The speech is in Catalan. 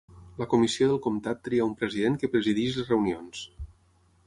La comissió del comtat tria un president que presideix les reunions.